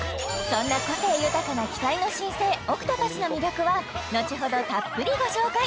そんな個性豊かな期待の新星ＯＣＴＰＡＴＨの魅力は後ほどたっぷりご紹介！